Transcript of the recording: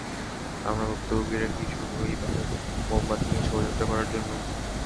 আমরা ভুক্তভোগীরা কী শুধু এই বালের মোমবাতি নিয়ে শোভাযাত্রা করার জন্য?